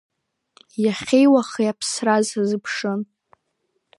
Иахьеи уахеи аԥсра сазыԥшын.